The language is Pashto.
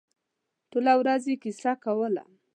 ټوله ورځ یې کیسه کوله.